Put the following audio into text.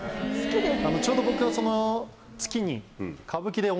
ちょうど僕が。